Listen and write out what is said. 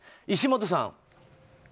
石本さん。